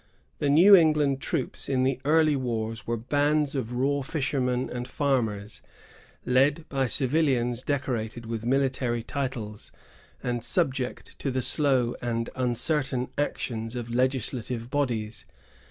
The New England troops in the early wars were bands of raw fishermen and farmers, led by civilians, decorated with military 1663 1763.] THE ENGLISH CONQUEST. 203 titles, and subject to the slow and uncertain action of legislative bodies.